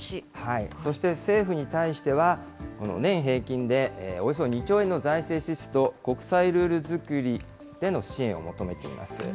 そして政府に対しては、年平均でおよそ２兆円の財政支出と、国際ルール作りでの支援を求めています。